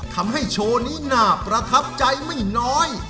ทำให้โชว์นี้หน้าประทับใจไม่น้อย